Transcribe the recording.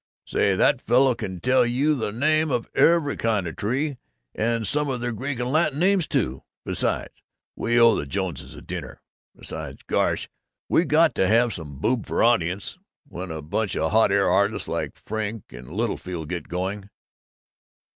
Say, that fellow can tell you the name of every kind of tree, and some of their Greek and Latin names too! Besides, we owe the Joneses a dinner. Besides, gosh, we got to have some boob for audience, when a bunch of hot air artists like Frink and Littlefield get going."